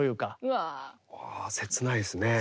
わ切ないですね。